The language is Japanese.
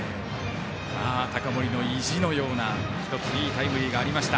高森の意地のような１ついいタイムリーがありました。